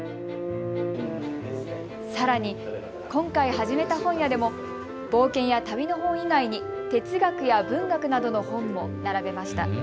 さらに今回始めた本屋でも冒険や旅の本以外に哲学や文学などの本も並べました。